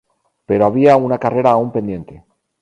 Pero había una carrera aún pendiente.